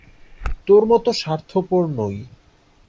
তোর মত স্বার্থপর নই।